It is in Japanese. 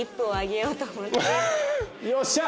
よっしゃー！